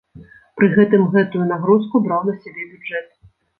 Пры гэтым гэтую нагрузку браў на сябе бюджэт.